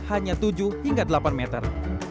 hanya tujuh hingga delapan meter